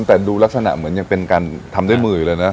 แต่ดูลักษณะเหมือนยังเป็นการทำด้วยมือเลยนะ